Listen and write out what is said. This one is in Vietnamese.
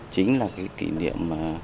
chính là kỷ niệm